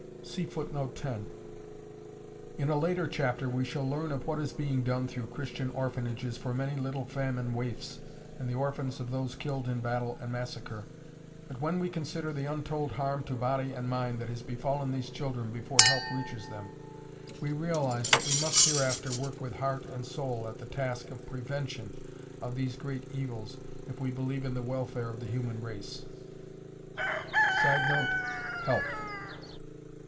In a later chapter we shall learn of what is being done through Christian orphanages for many little famine waifs and the orphans of those killed in battle and massacre, but, when we consider the untold harm to body and mind that has befallen these children before help reaches them, we realize that we must hereafter work with heart and soul at the task of prevention of these great evils if we believe in the welfare of the human race. [Sidenote: Health.